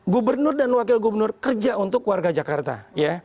gubernur dan wakil gubernur kerja untuk warga jakarta ya